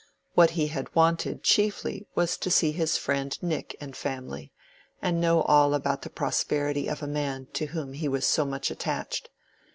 What he had wanted chiefly was to see his friend Nick and family, and know all about the prosperity of a man to whom he was so much attached.